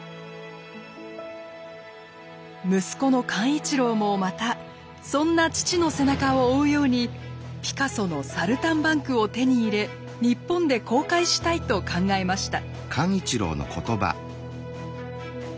息子の幹一郎もまたそんな父の背中を追うようにピカソの「サルタンバンク」を手に入れ日本で公開したいと考えました。